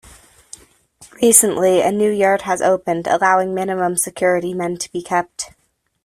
Recently, a new yard has opened allowing minimum security men to be kept.